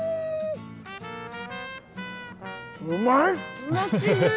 うまい。